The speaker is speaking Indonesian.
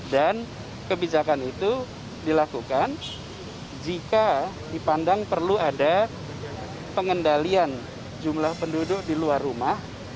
dan kebijakan itu dilakukan jika dipandang perlu ada pengendalian jumlah penduduk di luar rumah